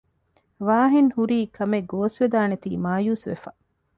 ވާހިން ހުރީ ކަމެއް ގޯސްވެދާނެތީ މާޔޫސްވެފަ